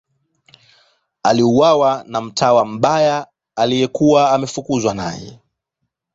Aliuawa na mtawa mbaya aliyekuwa ameafukuzwa naye.